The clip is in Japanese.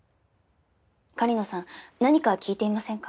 狩野さん何か聞いていませんか？